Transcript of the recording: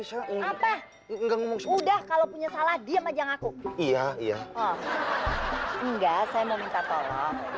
saya enggak ngomong sudah kalau punya salah dia majang aku iya iya enggak saya mau minta tolong